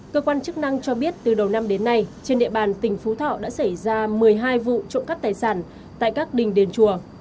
cơ quan chức năng cho biết từ đầu năm đến nay trên địa bàn tỉnh phú thọ đã xảy ra một mươi hai vụ trộm cắp tài sản tại các đình đền chùa